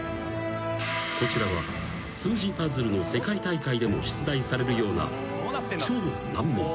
［こちらは数字パズルの世界大会でも出題されるような超難問］